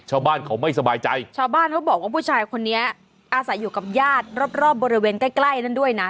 ชาวบ้านเขาไม่สบายใจชาวบ้านเขาบอกว่าผู้ชายคนนี้อาศัยอยู่กับญาติรอบรอบบริเวณใกล้ใกล้นั้นด้วยนะ